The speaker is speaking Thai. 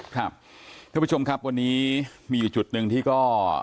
ท่านผู้ชมครับวันนี้มีอยู่จุดหนึ่งที่ก็